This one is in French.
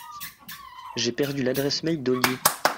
j'ai perdu l'adresse mail d'Olier.